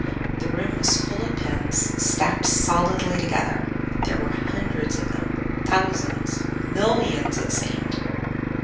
The room was full of pins, stacked solidly together. There were hundreds of them thousands millions, it seemed.